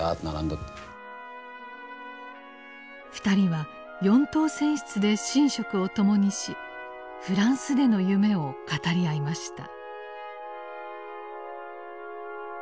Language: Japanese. ２人は四等船室で寝食を共にしフランスでの夢を語り合いました。